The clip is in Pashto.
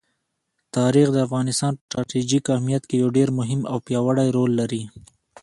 تاریخ د افغانستان په ستراتیژیک اهمیت کې یو ډېر مهم او پیاوړی رول لري.